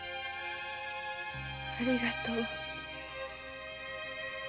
ありがとう。